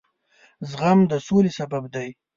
زغم د سولې سبب دی.